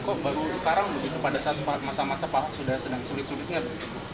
kok baru sekarang pak ahok sudah sedang sulit sulit